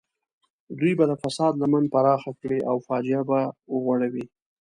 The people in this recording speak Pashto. دوی به د فساد لمن پراخه کړي او فاجعه به وغوړوي.